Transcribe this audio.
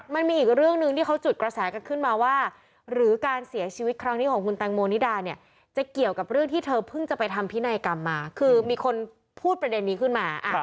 มันมีอีกเรื่องหนึ่งที่เขาจุดกระแสกันขึ้นมาว่าหรือการเสียชีวิตครั้งนี้ของคุณแตงโมนิดาเนี่ยจะเกี่ยวกับเรื่องที่เธอเพิ่งจะไปทำพินัยกรรมมาคือมีคนพูดประเด็นนี้ขึ้นมา